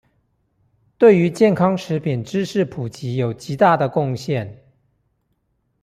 對於健康食品知識普及有極大的貢獻